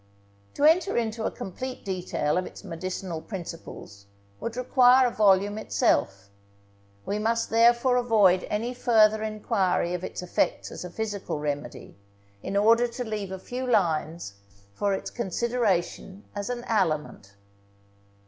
To enter into a complete detail of its medicinal principles, would require a volume itself; we must therefore avoid any further enquiry of its effects as a physical remedy, in order to leave a few lines for its consideration as an aliment.